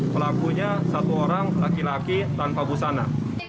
pelakunya satu orang laki laki tanpa busana